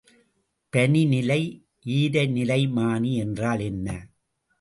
பனிநிலை ஈரநிலைமானி என்றால் என்ன?